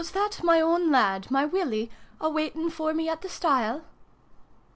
that my own lad, my Willie, a waiting for me at the stile